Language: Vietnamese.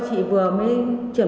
thì chị vừa mới chuyển